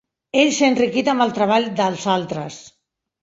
Ell s'ha enriquit amb el treball dels altres.